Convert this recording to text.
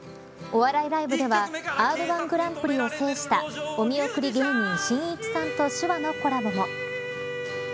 お笑いライブではＲ‐１グランプリを制したお見送り芸人しんいちさんと手話のコラボも。